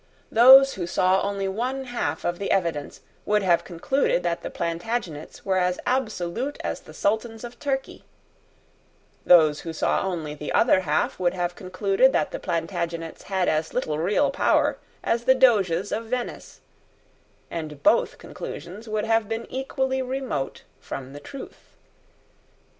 Those who saw only one half of the evidence would have concluded that the Plantagenets were as absolute as the Sultans of Turkey: those who saw only the other half would have concluded that the Plantagenets had as little real power as the Doges of Venice; and both conclusions would have been equally remote from the truth.